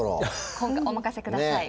今回お任せください。